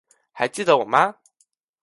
还记得我吗？